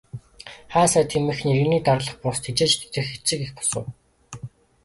Хаан сайд хэмээх нь иргэнийг дарлах бус, тэжээж тэтгэх эцэг эх бус уу.